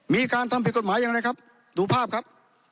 มีการทำผิดกฎหมายอย่างไรครับดูภาพครับ